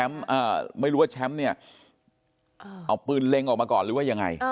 ไม่รู้ว่าแชมป์เนี่ยเอาปืนเล็งออกมาก่อนหรือว่ายังไง